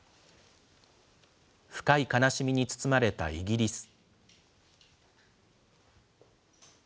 深い悲しみに包まれたイギリス。